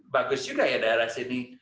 bagus juga ya daerah sini